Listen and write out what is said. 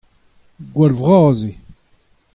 Gwall vras eo.